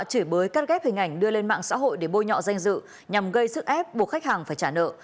chửi bới cắt ghép hình ảnh đưa lên mạng xã hội để bôi nhọ danh dự nhằm gây sức ép buộc khách hàng phải trả nợ